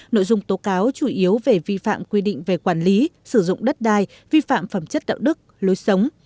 nội dung tố cáo chủ yếu về vi phạm quy định về quản lý sử dụng đất đai vi phạm phẩm chất đạo đức lối sống